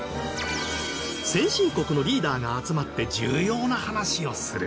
先進国のリーダーが集まって重要な話をする。